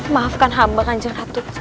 maafkan hamba kan jenratu